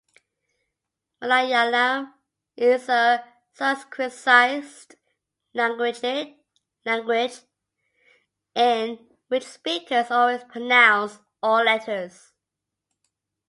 Malayalam is a Sanskritized language in which speakers always pronounce all letters.